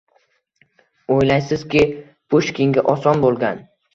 O‘ylaysizki… Pushkinga oson bo‘lgan?